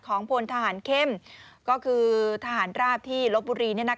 ของพลฐานเข้มก็คือภาพทราบที่ลบบุรี